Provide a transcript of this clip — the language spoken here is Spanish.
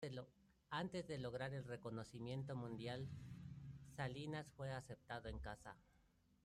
Antes de lograr el reconocimiento mundial, Salinas fue aceptado en casa.